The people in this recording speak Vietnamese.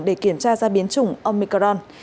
để kiểm tra ra biến chủng omicron